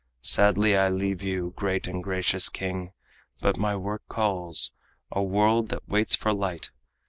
Sadly I leave you, great and gracious king, But my work calls a world that waits for light.